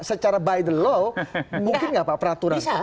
secara by the law mungkin nggak pak peraturan